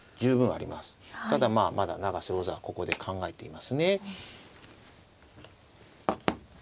ただまだ永瀬王座はここで考えていますね。